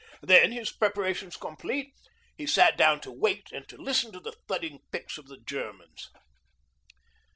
Then, his preparations complete, he sat down to wait and to listen to the thudding picks of the Germans.